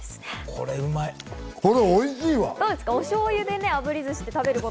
これおいしいわ。